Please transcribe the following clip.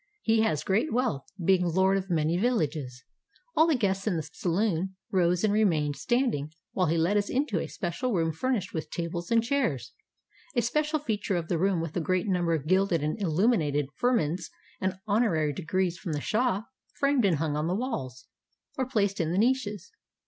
He has great wealth, being lord of many villages. All the guests in the saloon rose and remained standing while he led us into a room fur nished with tables and chairs. A special feature of the room was the great number of gilded and illuminated firmans and honorary degrees from the shah, framed and hung on the walls, or placed in the niches.